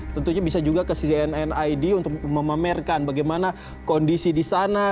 tentunya bisa juga ke cnn id untuk memamerkan bagaimana kondisi di sana